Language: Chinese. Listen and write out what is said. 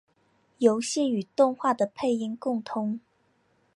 游戏与动画的配音共通。